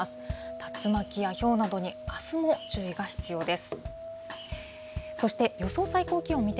竜巻やひょうなどに、あすも注意が必要です。